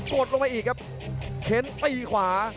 ดลงไปอีกครับเข็นตีขวา